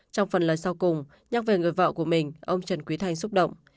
trong phần lời sau cùng nhắc về người vợ của mình ông trần quý thanh xúc động